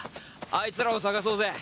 あいつらを捜そうぜ。